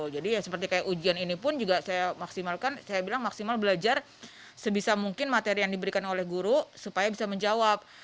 jadi ya seperti kayak ujian ini pun juga saya maksimalkan saya bilang maksimal belajar sebisa mungkin materi yang diberikan oleh guru supaya bisa menjawab